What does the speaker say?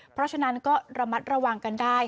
เพราะฉะนั้นก็ระมัดระวังกันได้